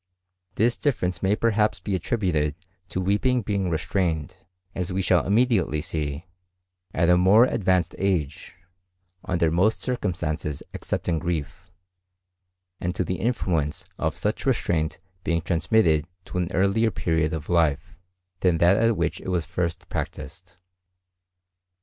This difference may perhaps be attributed to weeping being restrained, as we shall immediately see, at a more advanced age, under most circumstances excepting grief; and to the influence of such restraint being transmitted to an earlier period of life, than that at which it was first practised.